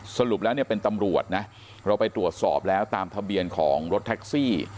สรุปแล้วเนี่ยเป็นตำรวจนะเราไปตรวจสอบแล้วตามทะเบียนของรถแท็กซี่